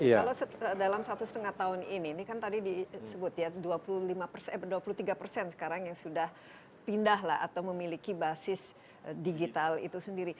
kalau dalam satu setengah tahun ini ini kan tadi disebut ya dua puluh tiga persen sekarang yang sudah pindah lah atau memiliki basis digital itu sendiri